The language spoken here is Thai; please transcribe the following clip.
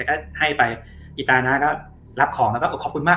ก็ให้ไปอีตานัรรับของก็ขอบคุณมาก